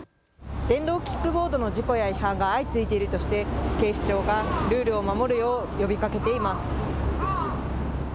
電動キックボードの事故や違反が相次いでいるとして警視庁がルールを守るよう呼びかけています。